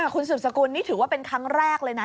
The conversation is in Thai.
คุณสืบสกุลนี่ถือว่าเป็นครั้งแรกเลยนะ